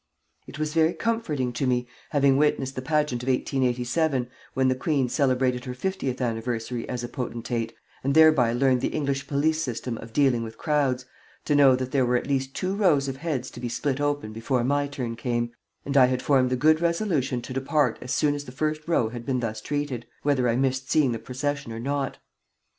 It was very comforting to me, having witnessed the pageant of 1887, when the Queen celebrated her fiftieth anniversary as a potentate, and thereby learned the English police system of dealing with crowds, to know that there were at least two rows of heads to be split open before my turn came, and I had formed the good resolution to depart as soon as the first row had been thus treated, whether I missed seeing the procession or not.